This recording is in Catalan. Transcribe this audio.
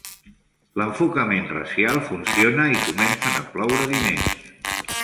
L'enfocament racial funciona i comencen a ploure diners.